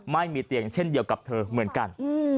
ไม่มีเตียงเช่นเดียวกับเธอเหมือนกัน